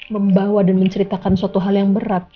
membawa dan menceritakan suatu hal yang berat